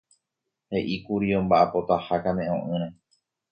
He'íkuri omba'apótaha kane'õ'ỹre.